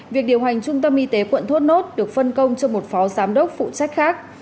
việc điều hành trung tâm y tế quận thốt nốt được phân công cho một phó giám đốc phụ trách khác